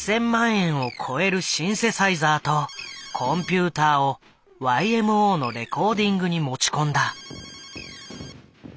円を超えるシンセサイザーとコンピューターをＹＭＯのレコーディングに持ち込んだ。